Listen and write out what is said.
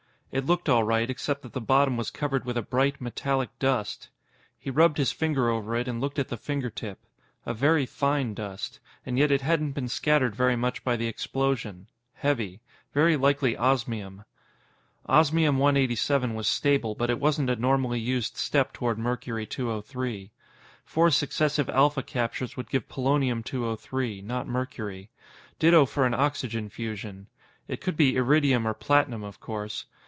It looked all right, except that the bottom was covered with a bright, metallic dust. He rubbed his finger over it and looked at the fingertip. A very fine dust. And yet it hadn't been scattered very much by the explosion. Heavy. Very likely osmium. Osmium 187 was stable, but it wasn't a normally used step toward Mercury 203. Four successive alpha captures would give Polonium 203, not mercury. Ditto for an oxygen fusion. It could be iridium or platinum, of course.